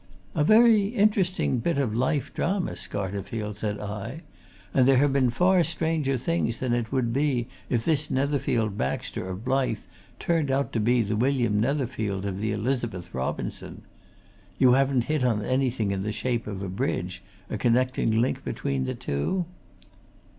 "A very interesting bit of life drama, Scarterfield," said I. "And there have been far stranger things than it would be if this Netherfield Baxter of Blyth turned out to be the William Netherfield of the Elizabeth Robinson. You haven't hit on anything in the shape of a bridge, a connecting link between the two?"